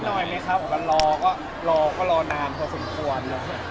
มีเป็นไหมครับว่ารอก็รอนานพอคุณควร